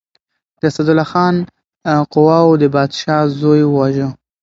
د اسدالله خان قواوو د پادشاه زوی وواژه.